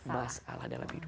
masalah dalam hidup